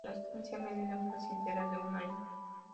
La estancia media de un paciente era de un año.